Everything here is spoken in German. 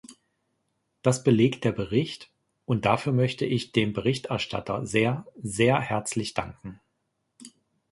Das belegt der Bericht, und dafür möchte ich dem Berichterstatter sehr, sehr herzlich danken!